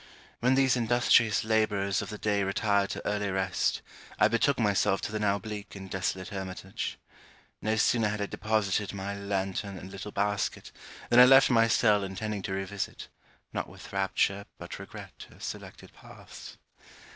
When these industrious labourers of the day retired to early rest, I betook myself to the now bleak and desolate hermitage. No sooner had I deposited my lanthorn and little basket, than I left my cell intending to revisit, not with rapture but regret, her selected paths.